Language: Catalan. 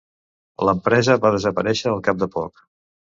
L'empresa va desaparèixer al cap de poc.